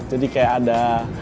jadi kayak ada